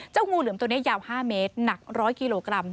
งูเหลือมตัวนี้ยาว๕เมตรหนัก๑๐๐กิโลกรัม